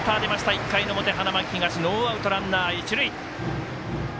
１回の表花巻東、ノーアウトランナー、一塁。